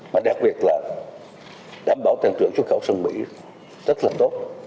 và đặc biệt là đảm bảo tăng trưởng xuất khẩu sân mỹ rất là tốt